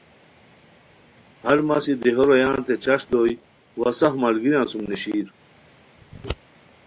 ہر مسی دیہو رویانتے چشٹ دوئے وا سف ملگریان سُم نیشیر